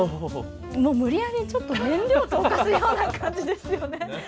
もう無理やりちょっと燃料を投下するような感じですよね。